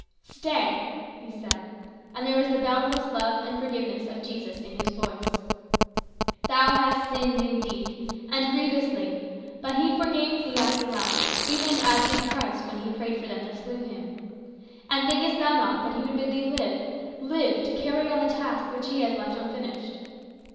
"Stay," he said, and there was the boundless love and forgiveness of Jesus in his voice. "Thou hast indeed sinned, and grievously, but he forgave thee at the last, even as did Christ when he prayed for them that slew him. And thinkest thou not that he would bid thee live live to carry on the task which he has left unfinished?"